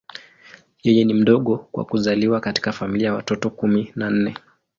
Yeye ni mdogo kwa kuzaliwa katika familia ya watoto kumi na nne.